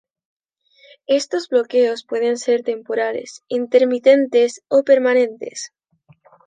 Estos bloqueos pueden ser temporales, intermitentes o permanentes.